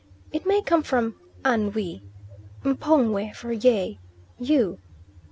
It may come from "Anwe" M'pongwe for "Ye," "You."